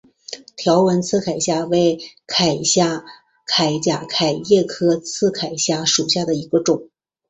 条纹刺铠虾为铠甲虾科刺铠虾属下的一个种。